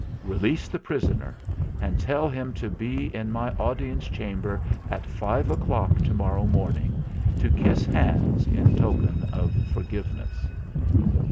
Release the prisoner, and tell him to be in my Audience Chamber at five o'clock to morrow morning, to kiss hands in token of forgiveness."